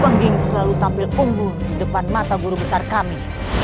wangging selalu tampil unggul di depan mata guru besar kami